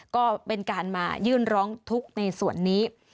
ก็เป็นการมายื่นร้องทุกข์ในส่วนนี้